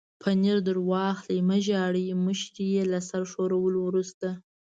پنیر در واخلئ، مه ژاړئ، مشرې یې له سر ښورولو وروسته.